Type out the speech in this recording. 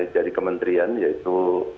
dari kementerian yaitu